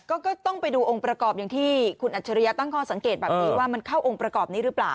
ก็ต้องไปดูองค์ประกอบอย่างที่คุณอัจฉริยะตั้งข้อสังเกตแบบนี้ว่ามันเข้าองค์ประกอบนี้หรือเปล่า